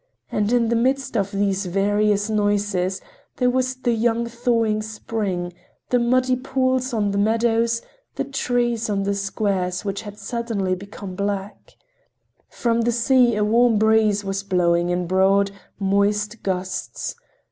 And in the midst of these various noises there was the young thawing spring, the muddy pools on the meadows, the trees of the squares which had suddenly become black. From the sea a warm breeze was blowing in broad, moist gusts.